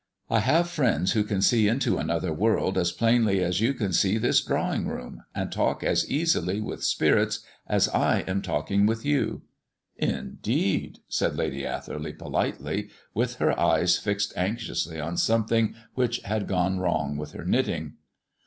I have friends who can see into another world as plainly as you can see this drawing room, and talk as easily with spirits as I am talking with you." "Indeed!" said Lady Atherley politely, with her eyes fixed anxiously on something which had gone wrong with her knitting.